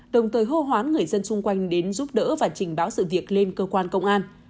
đồng thời hô hoán người dân xung quanh đến giúp đỡ và trình báo sự việc lên cơ quan công an